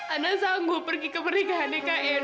ana sanggup pergi ke pernikahan eka edo ma